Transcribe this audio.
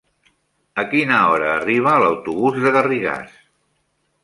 A quina hora arriba l'autobús de Garrigàs?